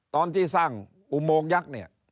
ตอนที่สร้างอุโมงยักษ์เนี่ย